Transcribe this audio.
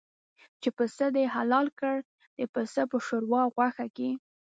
چې پسه دې حلال کړ د پسه په شوروا او غوښه کې.